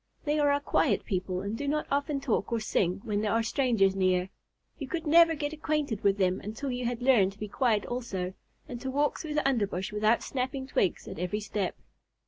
They are a quiet people and do not often talk or sing when there are strangers near. You could never get acquainted with them until you had learned to be quiet also, and to walk through the underbrush without snapping twigs at every step.